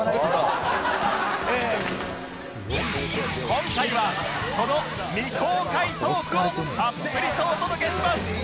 今回はその未公開トークをたっぷりとお届けします